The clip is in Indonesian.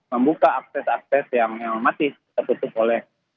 membuka akses akses yang masih tertutup oleh